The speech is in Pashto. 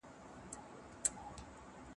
ښه خلک د نورو په بریا باندې خوشالیږي.